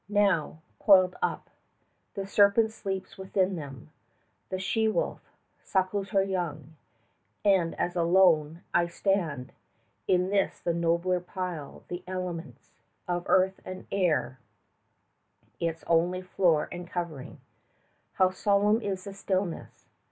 Now, coiled up, The serpent sleeps within them; the she wolf 50 Suckles her young; and as alone I stand In this, the nobler pile, the elements Of earth and air its only floor and covering, How solemn is the stillness!